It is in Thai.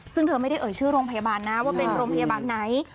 ซึ่งเธอไม่ได้เอ่ยชื่อโรงพยาบาลนะว่าเป็นโรงพยาบาลไหน